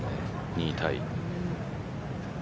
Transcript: ２位タイ。